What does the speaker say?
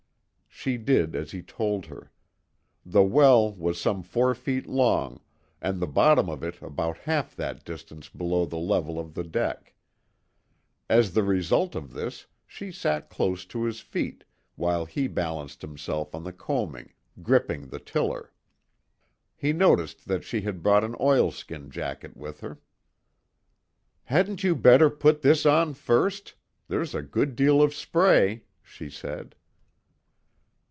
She did as he told her. The well was some four feet long, and the bottom of it about half that distance below the level of the deck. As the result of this, she sat close to his feet, while he balanced himself on the coaming, gripping the tiller. He noticed that she had brought an oilskin jacket with her. "Hadn't you better put this on first? There's a good deal of spray," she said.